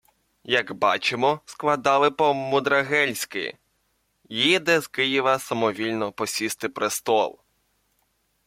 Як бачимо, складали по-мудрагельськи: їде з Києва самовільно посісти престол